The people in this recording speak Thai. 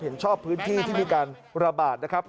เห็นชอบพื้นที่ที่มีการระบาดนะครับ